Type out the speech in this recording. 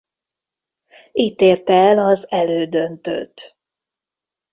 Itt érte el az elődöntőt.